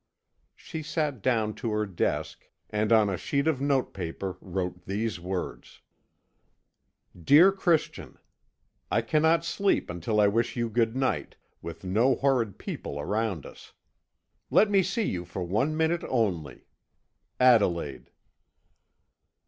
She sat down to her desk, and on a sheet of note paper wrote these words: "Dear Christian: "I cannot sleep until I wish you good night, with no horrid people around us. Let me see you for one minute only. "Adelaide."